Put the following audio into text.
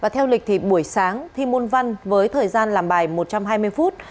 theo lịch thì buổi sáng thi môn văn với thời gian làm bài một trăm hai mươi phút